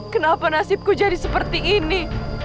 kenapa nasibku jadi seperti ini